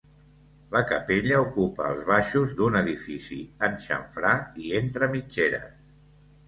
La capella ocupa els baixos d'un edifici en xamfrà i entre mitgeres.